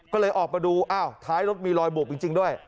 ก็เลยออกมาดูอ้าวท้ายรถมีรอยบวบจริงด้วย